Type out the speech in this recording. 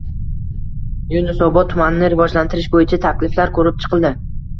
Yunusobod tumanini rivojlantirish bo‘yicha takliflar ko‘rib chiqildi